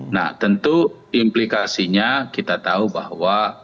nah tentu implikasinya kita tahu bahwa